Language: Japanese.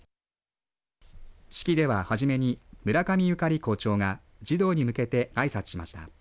式では、はじめに村上ゆかり校長が児童に向けてあいさつしました。